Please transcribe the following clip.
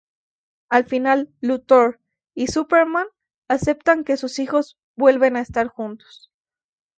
Al final, Luthor y Superman aceptan que sus hijos vuelvan a estar juntos.